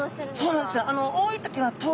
そうなんです。